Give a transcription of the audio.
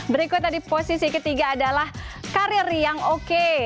berikut tadi posisi ketiga adalah karir yang oke